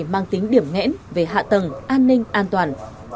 mang tính điểm nghẽn về hạ tầng an ninh an toàn